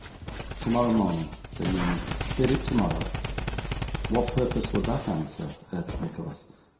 'Tomorrow morning,' said Newman; 'hear it tomorrow.' 'What purpose would that answer?' urged Nicholas.